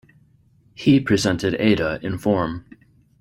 He presented Ada, in form.